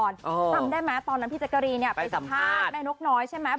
จำได้ไหมตอนนั้นพี่แจ๊กกะรีนไปสัมภาษณ์แม่นกน้อยใช่ไหม